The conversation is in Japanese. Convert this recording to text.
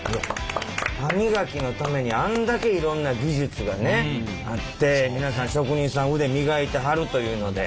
歯磨きのためにあんだけいろんな技術がねあって皆さん職人さん腕磨いてはるというので。